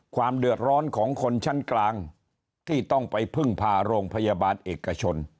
ความเดือดร้อนของคนชั้นกลางที่ต้องไปพึ่งพาโรงพยาบาลเอกชน